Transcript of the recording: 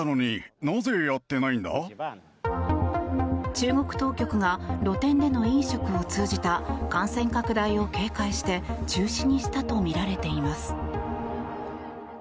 中国当局が露天での飲食を通じた感染拡大を警戒して中止にしたとみられています。